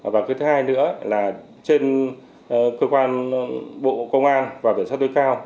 và thứ hai nữa là trên cơ quan bộ công an và cảnh sát đối cao